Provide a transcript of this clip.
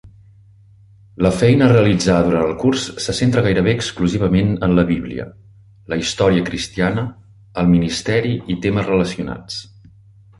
La feina a realitzar durant el curs se centra gairebé exclusivament en la Bíblia, la història cristiana, el ministeri i temes relacionats.